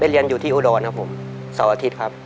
เรียนอยู่ที่อุดรครับผมเสาร์อาทิตย์ครับ